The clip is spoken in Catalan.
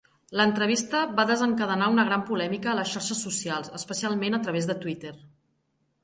L'entrevista va desencadenar una gran polèmica a les xarxes socials, especialment a través de Twitter.